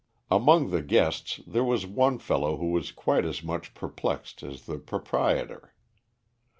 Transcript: Among the guests there was one young fellow who was quite as much perplexed as the proprietor.